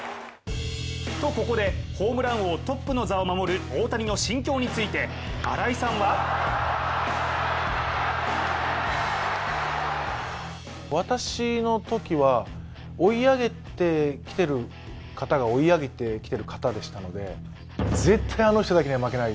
とここで、ホームラン王トップの座を守る大谷の心境について新井さんは私のときは追い上げてきてる方が追い上げてきてる方だったので絶対にあの人だけには負けない。